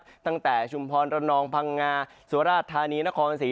มาเลยนะครับตั้งแต่ชุมพรละนองพังงาสวรรค์ธานีนครศรี